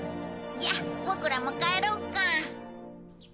じゃあボクらも帰ろうか。